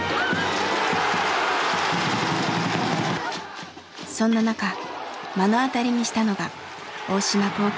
そんな中目の当たりにしたのが大島高校の快進撃でした。